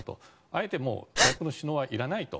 あえて外国の首脳はいらないと。